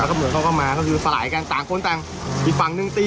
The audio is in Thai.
แล้วก็เหมือนเขาก็มาก็คือสลายกันต่างคนต่างอีกฝั่งนึงตี